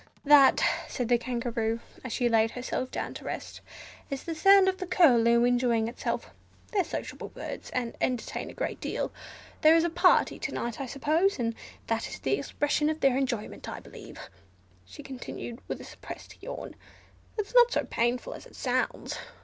"That," said the Kangaroo, as she laid herself down to rest, "is the sound of the Curlew enjoying itself. They are sociable birds, and entertain a great deal. There is a party to night, I suppose, and that is the expression of their enjoyment. I believe," she continued, with a suppressed yawn, "it's not so painful as it sounds.